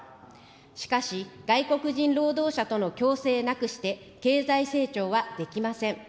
しかし、外国人労働者との共生なくして経済成長はできません。